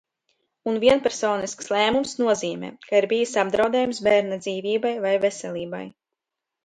Un vienpersonisks lēmums nozīmē, ka ir bijis apdraudējums bērna dzīvībai vai veselībai.